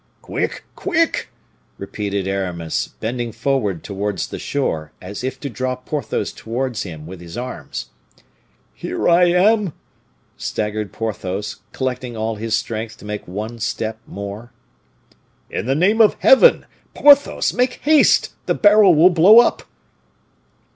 "Quick! quick!" repeated Aramis, bending forward towards the shore, as if to draw Porthos towards him with his arms. "Here I am," stammered Porthos, collecting all his strength to make one step more. "In the name of Heaven! Porthos, make haste! the barrel will blow up!"